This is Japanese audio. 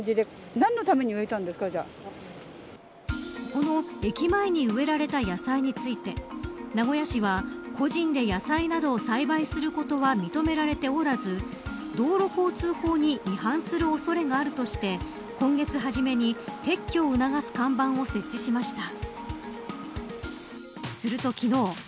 この駅前に植えられた野菜について名古屋市は、個人で野菜などを栽培することは認められておらず道路交通法に違反する恐れがあるとして今月初めに撤去を促す看板を設置しました。